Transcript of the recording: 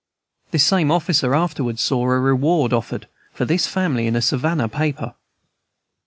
This same officer afterwards saw a reward offered for this family in a Savannah paper.